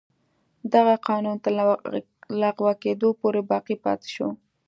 دغه قانون تر لغوه کېدو پورې باقي پاتې شو.